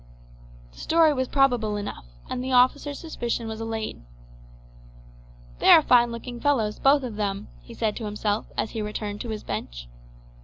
The story was probable enough, and the officer's suspicion was allayed. "They are fine looking fellows, both of them," he said to himself as he returned to his bench.